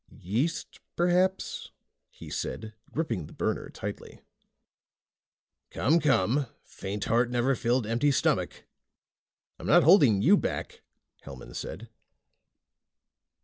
"Yeast, perhaps," he said, gripping the burner tightly. "Come, come. Faint heart never filled an empty stomach." "I'm not holding you back," Hellman said.